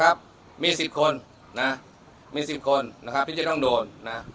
สำนักข่าวนะครับมีสิบคนนะมีสิบคนนะครับที่จะต้องโดนนะ